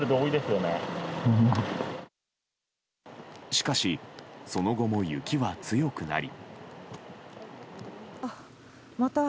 しかしその後も雪は強くなり。